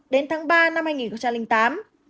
đến tháng ba năm hai nghìn tám